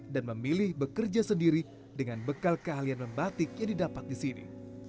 dan memilih bekerja sendiri dengan bekal keahlian membatik yang didapat di sini